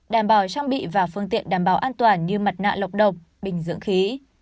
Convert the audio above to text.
đảm bảo trang bị và phương tiện đảm bảo an toàn như mặt nạ lọc độc bình dưỡng khí